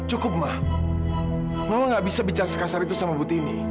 cukup ma mama tidak bisa bicara sekasar itu sama putini